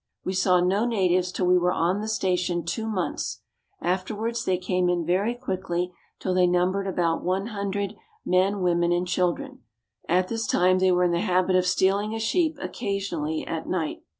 We saw no natives till we were on the station two months. Afterwards they came in very quickly till they numbered about 100 men, women, and children. At this time they were in tlie habit of stealing a sheep occasionally at night.